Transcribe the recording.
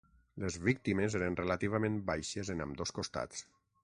Les víctimes eren relativament baixes en ambdós costats.